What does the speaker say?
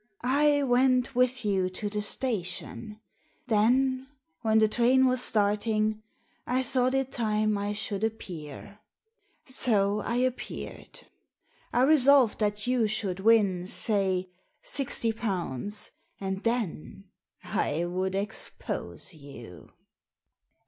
'* I went with you to the station ; then, when the train was starting, I thought it time I should appear. So I appeared. I resolved that you should win, say, sixty pounds, and then — I would expose you."